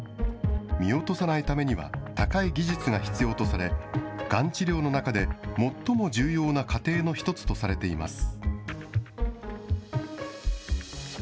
見落とさないためには、高い技術が必要とされ、がん治療の中で、最も重要な過程の一つとされています。